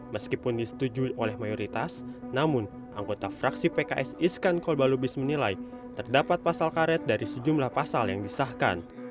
meskipun disetujui oleh mayoritas namun anggota fraksi pks iskan kolbalubis menilai terdapat pasal karet dari sejumlah pasal yang disahkan